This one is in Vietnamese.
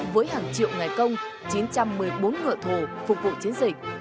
với hàng triệu ngài công chín trăm một mươi bốn ngựa thù phục vụ chiến dịch